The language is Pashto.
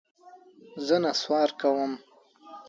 زه نسوار کوم.